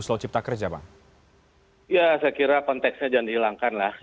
saya kira konteksnya jangan dihilangkan lah